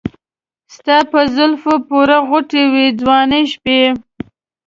ستا په زلفې پورې غوټه وې ځواني شپې